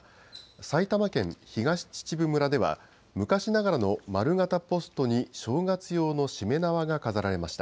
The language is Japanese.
埼玉県東秩父村では、昔ながらの丸型ポストに正月用のしめ縄が飾られました。